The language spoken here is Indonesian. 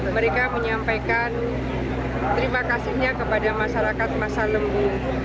mereka menyampaikan terima kasihnya kepada masyarakat masa lembu